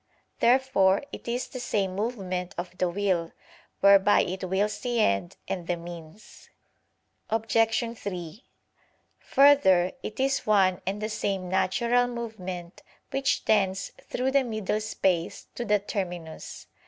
Therefore it is the same movement of the will, whereby it wills the end and the means. Obj. 3: Further, it is one and the same natural movement which tends through the middle space to the terminus.